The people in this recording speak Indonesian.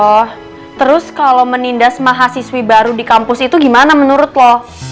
oh terus kalau menindas mahasiswi baru di kampus itu gimana menurut lo